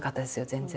全然。